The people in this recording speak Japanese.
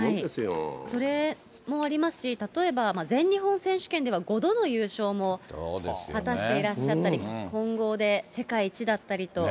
それもありますし、例えば全日本選手権では５度の優勝も果たしていらっしゃったり、混合で世界一だったりと。